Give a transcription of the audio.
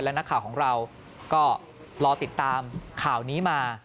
นักข่าวของเราก็รอติดตามข่าวนี้มา